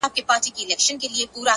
هوډ د وېرې پر وړاندې درېدنه ده!.